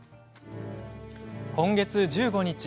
今月１５日。